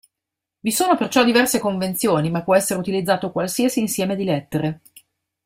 Vi sono perciò diverse convenzioni, ma può essere utilizzato qualsiasi insieme di lettere.